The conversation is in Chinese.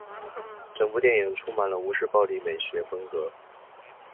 整部电影充满了吴氏暴力美学风格。